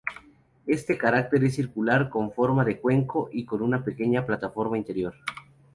Este cráter es circular, con forma de cuenco y con una pequeña plataforma interior.